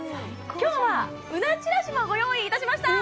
今日はうなちらしもご用意いたしました！